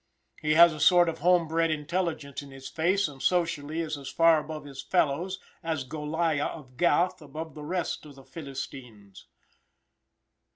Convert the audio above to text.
He has a sort of home bred intelligence in his face, and socially is as far above his fellows as Goliah of Gath above the rest of the Philistines.